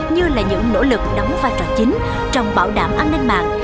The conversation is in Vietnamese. như là những nỗ lực đóng vai trò chính trong bảo đảm an ninh mạng